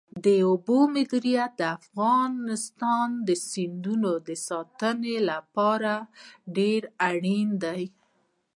د اوبو مدیریت د افغانستان د سیندونو د ساتنې لپاره ډېر اړین دی.